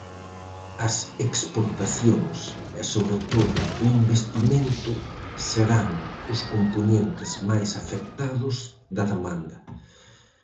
As exportacións, e sobre todo o investimento, serán os compoñentes máis afectados da demanda.